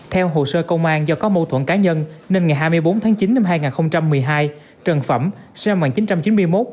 theo hồ sơ công an do có mâu thuẫn cá nhân nên ngày hai mươi bốn tháng chín năm hai nghìn một mươi hai trần phẩm sinh năm một nghìn chín trăm chín mươi một